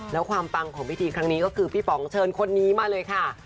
แล้วความปังของพิธีครั้งนี้ก็คือพี่ป๋องเชิญคนนี้มาเลยค่ะ